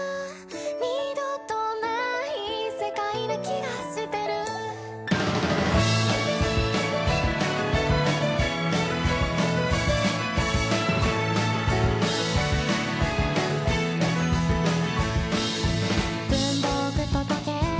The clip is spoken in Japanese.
「二度とない世界な気がしてる」「文房具と時計